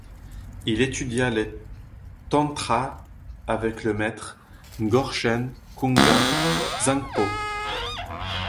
Il étudia les tantras avec le maître Ngorchen Künga Zangpo.